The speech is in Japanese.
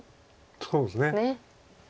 そうですね。